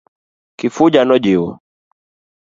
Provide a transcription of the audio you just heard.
Kifuja nojiwo.